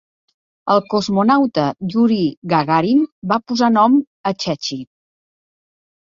El cosmonauta Yuri Gagarin va posar nom a Chechi.